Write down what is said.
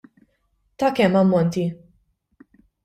Ta' kemm ammonti?